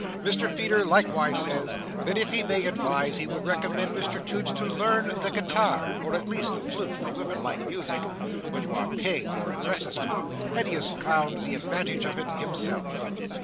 Mr Feeder like wise says, that if he may advise, he would recommend Mr Toots to learn the guitar, or, at least the flute; for women like music, when you are paying your addresses to 'em, and he has found the advantage of it himself.